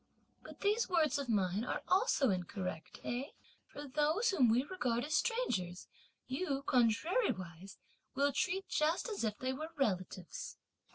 But these words of mine are also incorrect, eh? for those whom we regard as strangers you, contrariwise, will treat just as if they were relatives!"